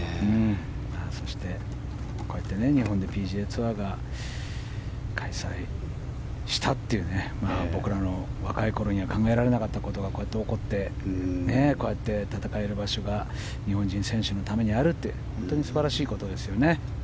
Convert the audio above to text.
そして日本でＰＧＡツアーが開催したという僕らの若いころには考えられなかったことが起こって、戦える場所が日本人選手のためにあるって本当に素晴らしいことですね。